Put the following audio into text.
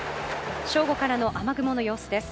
正午からの雨雲の様子です。